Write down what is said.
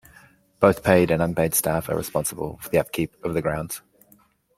Both paid and unpaid staff are responsible for the upkeep of the grounds.